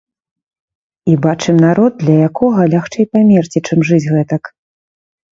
І бачым народ, для якога лягчэй памерці, чым жыць гэтак.